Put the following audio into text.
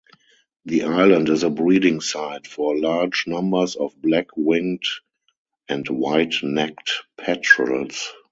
The island is a breeding site for large numbers of black-winged and white-necked petrels.